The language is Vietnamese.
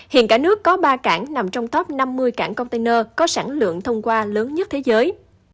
hiện cả nước có ba cảng nằm trong top năm mươi cảng container có sản lượng thông qua lớn nhất thế giới